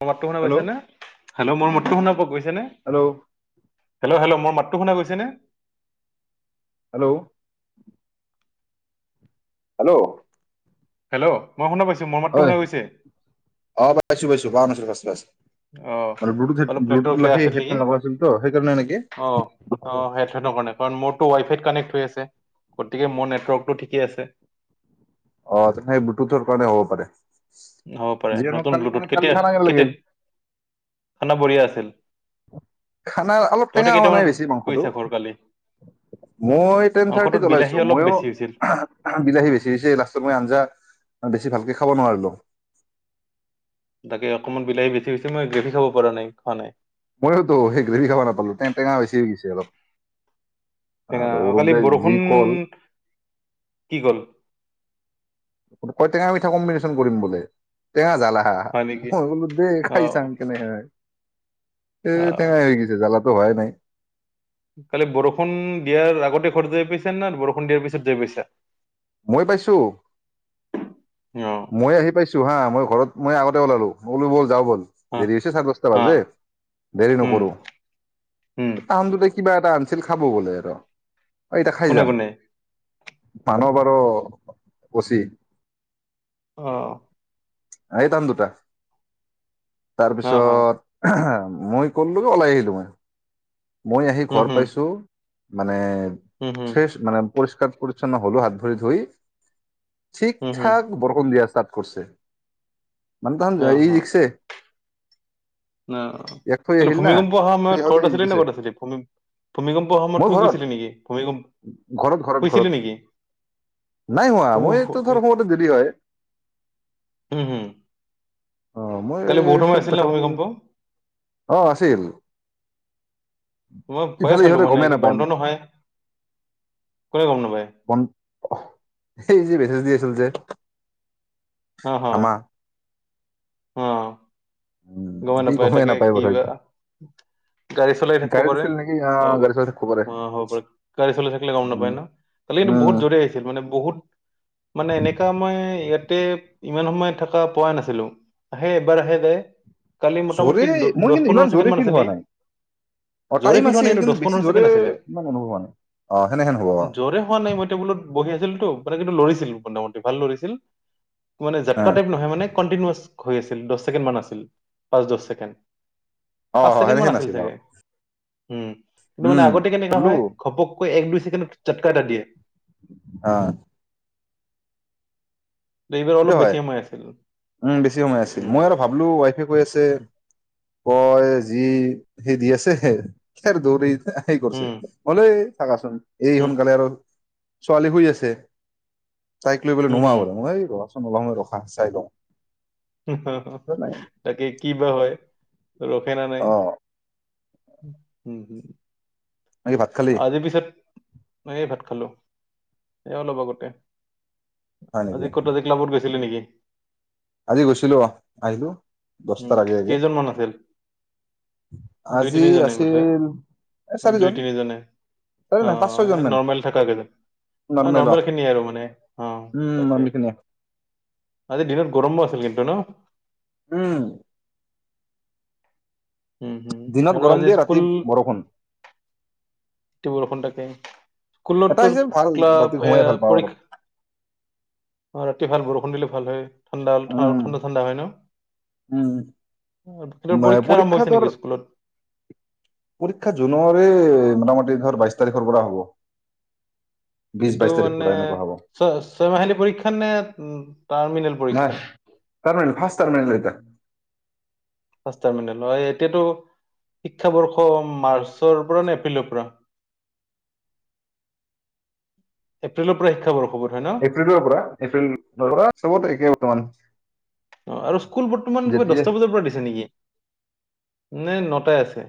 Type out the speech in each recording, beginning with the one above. মোৰ মাতটো শুনা হেল্ল' পাইছে নে, হেল্ল' মোৰ ম শুনাব গৈছে। ছেনে হেল্ল' হেল্ল' হেল্ল' মোৰ মাতটো শুনা গৈছে নে- হেল্ল' হেল্ল' হেল্ল মই শুনা পাইছোঁ। হয় অ', পাইছোঁ, পাইছোঁ, পাইছোঁ পোৱা নাছিলো ফাষ্টত [unintelligible] অ', অলপ নেটৱৰ্ক বেয়া সেই আছিল হেডফোন নেকি লগোৱা আছিল তো সেইকাৰণে নেকি? অ', অ', সেইটোকাৰণে কাৰণ মোৰ টো ৱাইফাইট- কানেক্ট হৈ আছে গতিকে মোৰ নেটৱৰ্কটো ঠিকেই আছে। অ' তে সেই ব্লুটুথটোৰ কাৰণে হ'ব পাৰে। হ'ব পাৰে যিয়ে নহওক নতুন কালি ব্লুত কেনে কালি কেতিয়া খানা কেনে লাগিল? কেতিয়া খানা বঢ়িয়া আছে। [unintelligible] খানা অলপ টেঙা হোৱা নাই বেছি মাংসটো গৈছা ঘৰ কালি? মই টেন মাংসটোত থাৰ্টিত বিলাহী ওলাইছো অলপ ময়ো বেছি হৈছিল। বিলাহী বেচি দিছে লাষ্টত মই আঞ্জা মই বেছি ভালকে খাব নোৱাৰিলোঁ। তাকে অকণমান বিলাহী বেছি হৈছে মই গ্ৰেভি খাব পৰা নাই খোৱা নাই। ময়োতো সেই খাব নাপালো তে টেঙা হৈছে গৈছে অলপ আৰু অৰূপ কালি দাই যি বৰষুণ কল কি গ'ল। ক টেঙা মিঠা কম্বিনেশ্যন কৰিম বোলে টেঙা জাল হয় নেকি? মই বোলো দে খাই অ', চাং দে কেনে হয়। এ অ'। তেঙা হৈ গৈছে জালক ভবাই নাই। কালি বৰষুণ দিয়াৰ আগতে ঘৰ যায় পাইছা না বৰষুণ দিয়াৰ পিছত যায় পাইছা। মই পাইছো অ মই আহি পাইছো হা মই- ঘৰত মই আগতে ওলালোঁ ব'ল যাউ ব'ল যাউ ব'ল অ দেৰি হৈছে চাৰে দচটা অ বাজে দেৰি উম নকৰো, উম তাহান দুটাই কিবা এটা আনিছিল খাব বোলে আৰু অ', এতিয়া খাই কোনে যাম। কোনে মানব আৰু অ ', অচি অ আহি পাম দুটা তাৰ অ হ পিছত [unintelligible] মই কলো ওলাই আহিলো মই মই আহি উম ঘৰ হুম পাইছো মানে উম হুম ফেচ মানে পৰিষ্কাৰ কৰি ন হ'লো হাত ভৰি ধুই ঠিক উম হুম ঠাক বৰষুণ দি আছে তাত কৰিছে মানে অ হ [unintelligible] ইয়াক থৈ অ আহিল না ভূমিকম্প অহা থৈ সময়ত আহোঁতে ঘৰত ই আছিলি জিকিছে নে কত আছিলি ভূমিকম্প সময়ত মই শুই ঘৰত গৈছিলি নেকি ভূমিকম্প ঘৰত ঘৰত শুইছিলি ঘৰত নেকি নাই হোৱা শু শু মইটো ধৰ সমতে দৰি হয় উম হুম আহ মই কালি বহুত সময় চব আছিল ন দেখাম ভূমিকম্প অ আছিল মই ভয়ে ইফালে খালো ইহঁতে মানে গমেই কি নাপায় বন্ধ নহয় কোনে গম নাপাই এই যে মেছেজ দি আছিল যে হ হ হামা উম গম সি নাপায় গমেই তাকে ক বোধহয় বা গাড়ী চলাই থাকিব গাড়ীত পাৰে আছিল নেকি অ হ'ব গাড়ী বাৰ চলাই থাকিব পাৰে অ হ'ব পাৰে গাড়ী চলাই থাকিলে গম নাপায় উম ন তালি কিন্তু বহুত উম জৰে আহিছিলে মানে বহুত মানে এনেকা মই ইয়াতে ইমান সময় থকা পোৱা নাছিলো আহে এবাৰ আহে যাই জৰে মই কিন্তু ইমান জৰে ফিল আছিলে হোৱা নাই অ জোৰে টাইম ফিল হোৱা নাই আছিল দহ কিন্তু বেছি পোন্ধৰ জৰে ছেকেণ্ড আছিলে ইমান অনুভৱ হোৱা নাই অ সেনেহেন হ'ব অ জোৰে হোৱা নাই মই টেবুলত বহি আছিলতো মানে কিন্তু লৰিছিল মোটামুটি ভাল লৰিছিল মানে অ জাতকা টাইপ নহয় মানে কণ্টিনিআচ হৈ আছিল দহ ছেকেণ্ড মান আছিল পাঁচ দছ ছেকেণ্ড অ পাঁচ অ ছেকেণ্ড মান সেনেকে আছিল নাছিল অ চাগে উম কিন্তু মানে উম আগতে কেনেকুৱা বোলো হয় ঘপক এক দুই ছেকেন্ড জটকা এটা দিয়ে অ সেইটো হয় উম বেছি সময় আছিল হুম মই আৰু ভাবিলো ৱাইফে কৈ আছে কয় যি সেই দি আছে কে দৌৰি এই কৰছে হুম মলে থাকাচোন এই হুম সোনকালে আৰু ছোৱালী শুই আছে তাইক লৈ পেললে হুম হুম নোমাবলে [inaudible] নকওঁ ৰখা চাই লওঁ। নাই তাকে কি বা হয়। ৰখে না অ নাই উম হ অই ভাত খালি? ময় ভাত খালো সেয়া অলপ আগতে হয় নেকি আজি ক'ত আজি ক্লাবত গৈছিলে নেকি? আজি গৈছিলো আহিলো উ দহটাৰ আগে আগে কেইজনমানান আছিল দুই আজি তিনি জনে বুধহয় আছিল এ দুই চাৰিজন তিনি জনে চাৰি অ নহয় পাঁচ ছয়জন মান নৰ্মেল থকা কেইজন অ নৰ্মেল খিনিয় আৰু মানে অ উম তাকে নৰ্মেল খিনিয়ে আজি দিনত গৰম অহ আছিল টো ন উম উম হম দিনত আৰু গৰম আজি দিয়ে ৰাতি স্কুল বৰষুণ বৰষুণ তাকে স্কুলত এটা টোৰ হৈছে ভাল ৰাতি ঘুমাই ভাল পাওঁ অলপ পৰীক্ষা আৰু ৰাতি বৰষুণ বৰষুণ দিলে ভাল হয় ঠাণ্ডা উম ঠাণ্ডা হয় ন উম পৰীক্ষা হৈছে নেকি স্কুলত পৰীক্ষা জুনৰে মোটামুটিধৰ বাইছ তাৰিখৰ পৰা হ'ব বিশ এইটো বাইশ তাৰিখ মানে পৰা এনেকুৱা হ'ব ছয় ছয় মাহিলী পৰীক্ষা নে উ তাৰ্মিনেল পৰীক্ষা টাৰ্মিনেল ফাষ্ট টাৰ্মিনেল এইটো ফাট টালিমেল এতিয়াতো শিক্ষাবৰ্ষ মাৰ্চৰ পৰা নে এপ্ৰিলৰ পৰা এপ্ৰিলৰ পৰা শিক্ষাবৰ্ষবৰ এপ্ৰিলৰ পৰা এপ্ৰিল পৰা চবত একেই বৰ্তমান অ আৰু স্কুল বৰ্তমান যেতিয়া দহটা বজাৰ পৰা দিছে নেকি নে নটাই আছে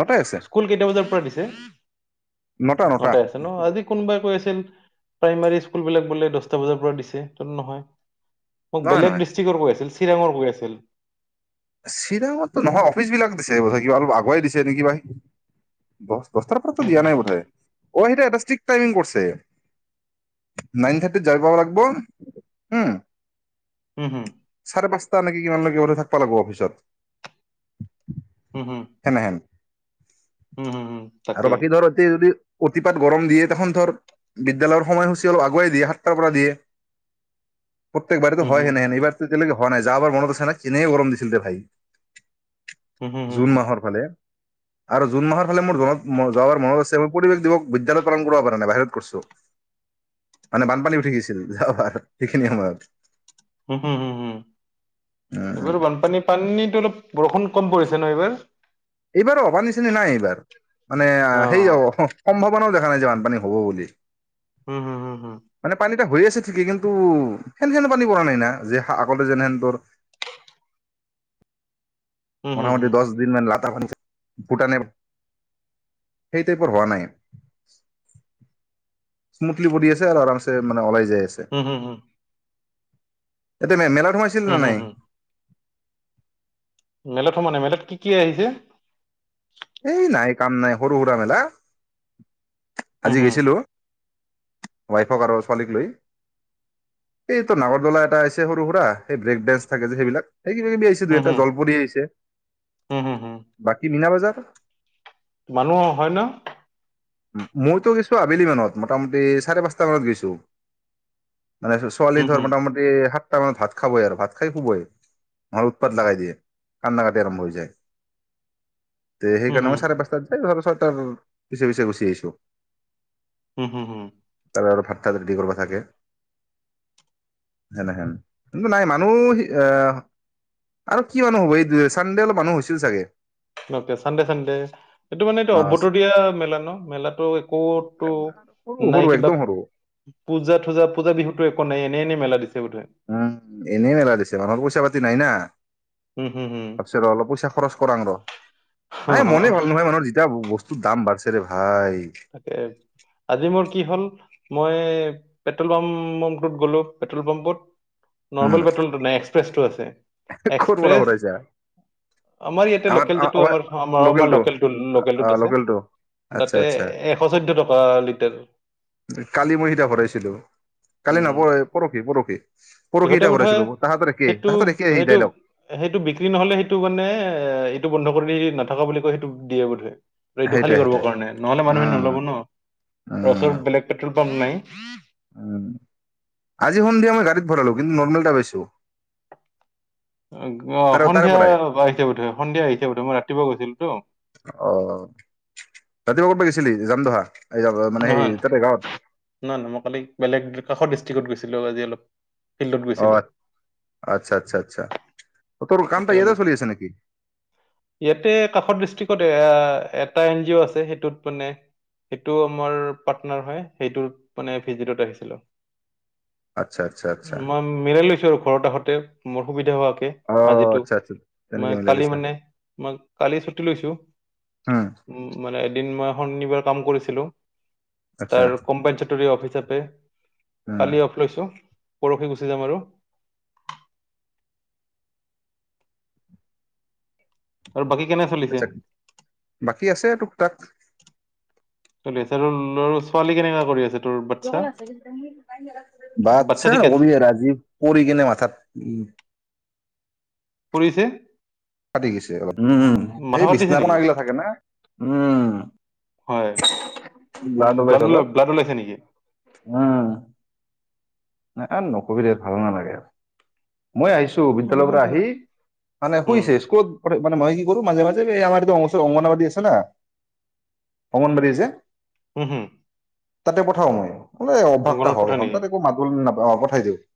নটাই আছে স্কুল কেইটা বজাৰ পৰা দিছে নটা নটা নটাই আছে ন আজি কোনোবাই কৈ আছিল প্ৰাইমাৰী স্কুল বিলাক বোলে দহটা বজাৰ পৰা দিছে ত নহয় মোক নহয় নহয় দিষ্ট্ৰিকৰ কৈ আছিল চিৰাঙৰ কৈ আছিল চিৰাঙতো নহয় অফিচ বিলাক দিছে কিবা অলপ আগুৱাই দিছে নেকি বা দহটাৰ পৰাতো দিয়া নাই বোধ আছিল হয়। অ সেইটো এটা ষ্ট্ৰিক টাইমিং কৰিছে নাইন থাৰ্টিত যাই পাব লাগিব উম চাৰে পাঁচটা ননেকে কিমান লকে ঘ থাক পালাগ অফিচত এেনেহে আৰু বাকী ধৰ এতিয়া যদি অতিপাত গৰম দিয়ে তেখোন ধৰ বিদ্যালয়ৰ সময়সূচী আৰু আগুৱাই দিয়ে সাতটাৰ পৰা দিয়ে প্ৰত্যেকাৰাৰেো হুম হুম, হয়ে নহে এইবাৰ কেনেকে বনাই য আাৰনতছে নাইি এনেই গৰম দিছিল দে ভাই হুম হুম হুম জুন হুম, মাহৰ ফালে আৰু জুন মাহৰ ফালে মোৰত যাবাৰ মনত আছে মই পৰিৱেশ দিৱস বিদ্য়ালয়ত পালন কৰিব পৰা নাই বাহিৰত কৰিছো মানে বানপানী উঠি গিছিল যাবাৰ সেইখিনিয়ে উম হম হম হম উম এইবাৰ বানপানী পানীটো অলপ বৰষুণ কম পৰিছে ন এইবাৰ এইবাৰ অবা নিচিনি নাই এইবাৰ মানে সেই অ সম্ভৱ কোনেও দেখা নাই যে বানপানী হ'ব বুলি উম হম হম হম মানে পানীটা হৈ আছে ঠিকেই কিন্তু সেন সেন পানী পৰা নাই না যে আগতে যেনেহেন তৰ হুম হুম মোটামুটি হুম, দহ দিন মান লাগ ভূটানে সেইটাইপোৰ হোৱা নাই স্মুথলি বডি আছে আৰু আমে মানে ওাই হম হুম হু এতি ম মেলা প্ৰথম আছিল ন নাই হুম। মেলত সম মানে মেলত কি কি আহিছে এই নাই কাম নাই সৰু সুৰা মেলা হুম আজি হুম, গৈছিলো ৱাইফক আৰু ছোৱালীক লৈ এইটো নাগৰদলা এটাছে সৰু সুৰা সেই ব্ৰেক ডেন্ঞ্চ থাকে যে সেইবিলাক সেই কিবি কিবি আহিছে দে হুম এটা হুম, জলপৰি আহিছে হুম হুম হুম। বাকী মীনা বজাৰ মানুহ হয় ন মইতো গৈছো আবেলি মানত মোটামুটি চাৰে পাঁচটা মানত গৈছো মানে ছোৱালী হুম ধৰ হুম, মোটামুটি সাত সাত মানে ভাত খাবই আৰু ভাত খাই শুবই ম উৎপাত লগাই দিয়ে কান্দা কাটি আৰম্ভ হৈ যায় তে হুম সেইকাৰণে হুম, মই চাৰেপস্তাতে যৰ পিছে পিছে গৈছে দিছো হম হুম হুম তাৰ আৰু ভাত তাত ৰেডি কৰিব থাকে যেনে হেন কিন্তু নাই মানুহ আহ আৰু কিয় নহব এই চানডে অলপ মানুহ হৈছিল চাগে নে চানডে চানডে এইটো মানে এইটো অ অবতৰীয়া দিয়া মেলা ন মেলাতো একোতো সৰু নাই সৰু কিবা একদম সৰু পূজা থুজা পূজা বিহুতো একো নাই এনে এনেই মেলা দিছে বোধহয়। উম এনেই মেলা দিছে মান পৈছে তি নাই না হুম হুম হুম। তাৰ পিছত ৰ অলপ পইচা খৰচ কৰাং ৰ নাই মনে ভাল নহয় মানুহৰ যেতিয়া বস্তু দাম বাঢ়ছে ৰে ভাই তাকে আজি মোৰ কি হ'ল মই পেট্ৰল পাম্পটোত গ'লো পেট্ৰল পাম্পত উম নৰ্মেল পেট্ৰ'লটো নাই শ্ৰেষ্ঠ আছে ক'ৰ পৰা এক্সপ্ৰেছ ভৰাইছা আমাৰ ইয়াতে লোকেল যিটো আমাৰ আমাৰ লোকেলটো লোকেল অ লোকেলটোত আছে লোকেলটো আচ্ছা তাতে আচ্ছা এশ চৈধ্য টকা লিটাৰ কালি মই সিধা ভৰাইছিলো কালি উম নহয় পৰহি পৰহি পৰহি ইহঁতে এটা বোধহয় ভৰাইছিলো তাহাঁতৰ একে সেইটো তাহাঁতে সেইটো, সেইটো বিক্ৰী নহ'লে সেইটো মানে এ সেইটো বন্ধ কৰি নাথাকা বুলি কয়, সেইটো দিয়ে বোধে এইটো খালী সেইটাই কৰিব সেইটাই কাৰণে নহলে, মানুহখিনি উম নলব ন ওচৰত উম বেলেগ পেট্ৰল । মন নাই উম আজি সন্ধিয়া মই গাড়ীত ভৰালো কিন্তু নৰ্মেল এটা পাইছো অ তাৰে তাৰে সন্ধিয়া পৰাই আহিছে বধৈ, সন্ধিয়া আহিছে বধৈ মই ৰাতিপুৱা গৈছিলো তো। অ ৰাতিপুৱা কৰবাত গৈছিলি? যাম ধহা। নহয় ন নহয় নহয় মই কালি বেলেগ কাষৰ ডিষ্ট্ৰিক্ত গৈছো । আজি অলপ। ফিল্ডত অ গৈছিলোঁ। আচ্ছা, আচ্ছা, আচ্ছা । তেওঁলোক ইয়াতে কাষত ডিষ্ট্ৰিকতে । হা এটা এনজিও এটা আছে । সেইটোট মানে সেইটো আমাৰ পাটনাৰ হৈ সেইটোত মানে এ ফি যি টোত আহিছিলে। আচ্ছা আচ্ছা আচ্ছা মই মিলাই লৈছো ৰখ ঘৰত আহঁতে, মোৰ সুবিধা হোৱাকে। অ আজিতো আচ্ছা আচ্ছা তেনেকে মই মিলাই কালি লৈছা মানে মই কালি ছুটি লৈছো, উম উ মানে এদিন মই । শনিবাৰৰ কাম কৰিছিলো । আচ্ছা তাৰ কোম্পানী চৰটো অফিচ। চাপে। উম কালে অফ লৈছো । পৰহি গুচি যাম আৰু । আৰু বাকী? কেনে চলিছে আছা বাকী আছে তোক-তাক। চলি আছে আৰু ল ছোৱালী কেনেকা কৰি আছে? তোৰ বাচ্ছা বাচ্ছা ঠিকে আছে নকবি আজি পৰি কেনে মাথাত উ পৰিছে? ফাটি গৈছে অলপ উম এই মাথা ফাটিছে বিচনা কনা নেকি গিলা থাকে না উম হয় ব্লাড ওলাইছে অলপ ব্লাড ওলাইছে নেকি উম। ন আৰু নকৰিবি ভাল ন লাগে আৰু। মই আহিছো বিদ্যালয়ৰ অলপমান পৰা আহি মানে উম শুইছে স্কুলত মানে মই কি কৰো মাজে, মাজে আমাৰ এইটো অংগনবাদী আছে না অংগনবাদী যে। উম, হুম তাতে পঠাও মই। মানে অভ্যাসটো অংগনত হয় পঠাই এখন নেকি তাত একো মাত বুল নাপায়। অ পঠাই দিওঁ ।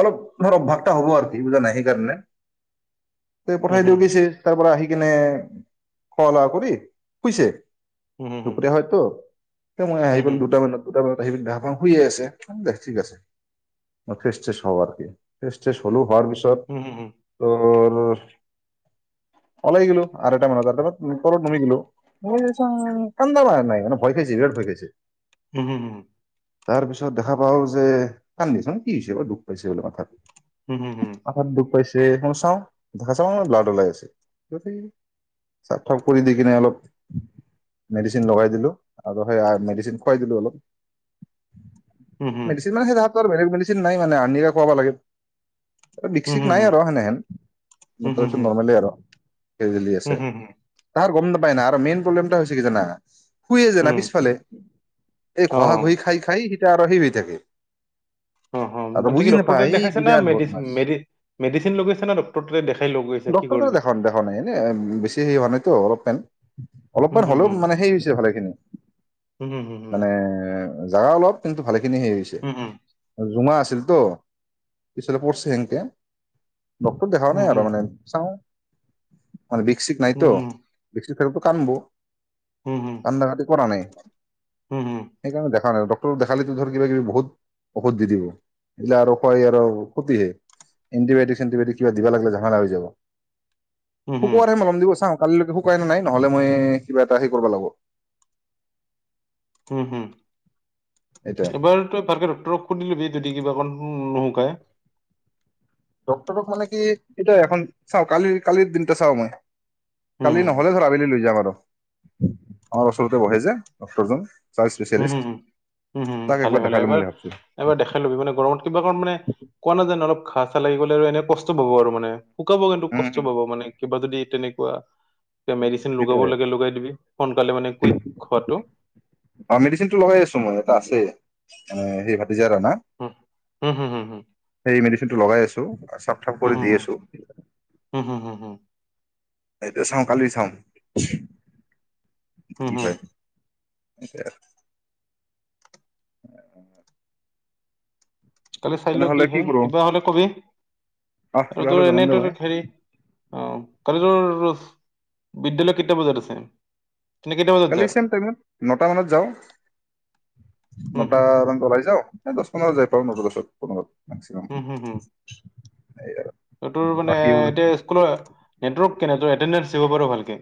অলপ তাৰ অভ্যাসটা হ'ব আৰু কি বুজানাই সেইকাৰণে। ত হুম পঠাই হুম দিও গৈছে তাৰ পৰা আহি। কিনে খোৱা লোৱা কৰি শুইছে হুম হুম টুকৰা হয়তো এ মই আহি হুম গলো দুটা বজাত দুটা বজাত অহাৰ পৰা শুই আছে দে ঠিক আছে মই ফ্ৰেছ হও বাৰু ফ্ৰেচ ষ্টেছ হলো হোৱাৰ পিছত পিছত হুম হুম ত ওলাই গোলো আঢ়ৈটা মানত বজাত ওপৰত সোমাই গিলো কান্দা ম নাই মান ভয় খাইছে বিৰাত ভয় খাইছে হুম হুম উম তাৰ পিছত দেখা পাও যে কান্দিচ কি হৈছে বা দুখ পাইছে বোলে মাথাটো হুম হুম হুম মাথাত দুখ পাইছে চাওঁ দেখা চাওঁ ব্লাড ওলাই আছে চাফ চাফ কৰি দিকেনে আৰু দি অলপ মেডিচিন লগাই দিলো আৰু সেইয়া মেডিচিন খুৱাই দিলো অলপ হুম হুম মেদিচিন মানে সেই ধৰা বেলেগ মেদিচিন নাই মানে আনি খোৱাব লাগে আৰু বিষ হুম চিষ নাই আৰু হয় নাই আৰু হুম হুম হুম হুম হুম তাৰপিছত নৰ্মেলি আৰু সেই যি আছে হুম হুম তাৰ গম নাপওঁ উপাই নাই আৰু মেইন প্ৰেবলেম এটা হৈছে আৰু কি জানা। হুম পিছফালে এই অ ঘহা ঘহি খাই খাই এতিয়া আৰু সি দি থাকে অ অ আৰু মানে কি বুজি ডক্টৰ তাত নাপাই ই দেখাইছে না বিৰাট মেডি বটমাছ মেডি মেডিচিন লৈ গৈছে না ডক্টৰ তাতে দেখাই লৈ গৈছে কি ডক্টৰ ততে কৰিলি দেখাব দেখাব নাই এনে আৰু বেছি হোৱা নাইতো অলপ এনে হুম অলপমান হুম হ'লেও হুম মানে সেইৰি হৈছে ভালেখিনি এবাৰ মানে জাগা অলপ কিন্তু ভালেখিনি হেই হৈছে জোঙা আছিল তো পিছলে পঢ়ছে সেনকে ডক্তৰক দেখাও নাই আৰু মানে চাওঁ মানে বিষ সিক নাইতো সেই টো কাম বৌ আন্দা ৰাতিপুৱা নানে সেইকাৰণে দে আৰু ডক্টৰক দেখালে কিবা টিভি বহুত ঔষধ দি দিব, এইবিলাক আৰু ক্ষতিহে এনতিবাইতিক চেনটিবাইটিক বহুত দি দিব শুকুবাৰে নহ'লেও চাও কালিলৈকে ওপাইটো নাই নহলে মই কিবা এটা হে কৰিবা লাগব উম হম এইটোৱে। এবাৰ তই ভালকে ডক্টৰক সুধিলবি যদি কিবা উম নহ কাই ডক্টৰক মানে কি এইট এখন চাওঁ কালিৰ কালিৰ দিন চাওঁ মই কালি নহলে উম ধৰা আবেলি লৈ য যাম আৰু আমাৰ ওচৰতে বহে যে ডক্টৰজন উম হম হম হুম ভালে একবাৰ ভালে দেখাই ল'ম এবাৰ বুলি ভাবছো। এবাৰ দেখাই লবি মানে গৰমত কিবা কাৰ মানে কোৱা নাজানো অলপ ঘাঁ চাহ লাগি গ'লে আৰু এনে কষ্ট পাব আৰু মানে শুকাব কিন্তু উম কষ্ট হুম পাব মানে কিবা যদি তেনেকুৱা মেডিচিন লগাব সেইটোৱে লাগে লগাই দিবি সোনকালে মানে কুইক হোৱাটো মেডিনটো লগাই আছো মই ইয়াতে আছে উম সেই কথা হুম হুম হুম হুম সেই মেডিচিনটো লগাই আছো চফ চফ কৰি হুম দি আছো হুম হুম হুম হুম হুম এইটো চাওঁ কালি চাওঁ উচ উম উম এতিয়া [unintelligible] কালি চাই লও কি তেনেহ'লে হয় কৰো কিবা হলে কবি আহ আৰু কিবা হ'লে তোৰ জনাম এনেই দে তোৰ মই হেৰি অহ কালিটোৰ বিদ্যালয় কেইটা বজাত আছে? তেনে কেইটা বজাত যা কালি চেম টাইমত নটা মানত যাওঁ । উম নটা মানত উলাই যাওঁ দচটা মানত যায় পাম ধৰ নটা দচৰ ওচৰত উম হুম হুম তোৰ মানে বাকী এতিয়া স্কুলৰ নেটওৰ্ৱৰ্ক কেনে তোৰ এটেনদেনচ চাব পাৰ ভালকে?